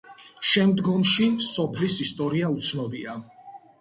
შემდგომში სოფლის ისტორია უცნობია.